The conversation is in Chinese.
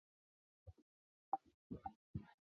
拉东人口变化图示